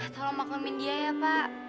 tolong maklumin dia ya pak